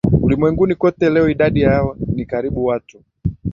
ulimwenguni kote Leo idadi yao ni karibu watu